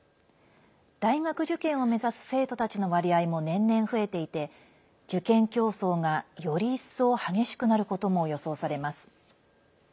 大学受験を目指す生徒たちの割合も年々増えていて受験競争が、より一層激しくなることも予想されます。